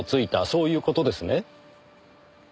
そういう事ですね？